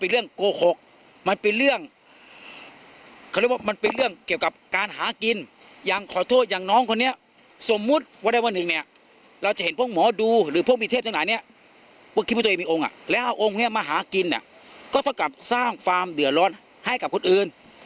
แล้วโอ้งนี้มาหากินก็ต้องกลับสร้างฟาร์มเดือร์ร้อนให้กับคนอื่น